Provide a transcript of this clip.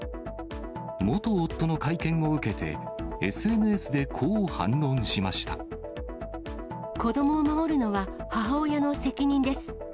元夫の会見を受けて、子どもを守るのは母親の責任です。